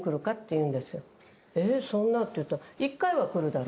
「ええそんな」って言ったら「一回は来るだろう。